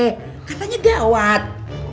katanya dia awad